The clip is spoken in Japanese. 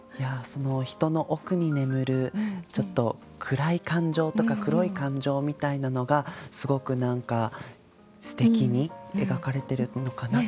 人の奥に眠るちょっと暗い感情とか黒い感情みたいなのがすごくすてきに描かれてるのかなって。